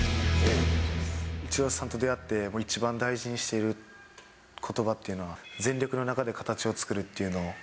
イチローさんと出会って、一番大事にしていることばっていうのは、全力の中で形を作るっていうのを。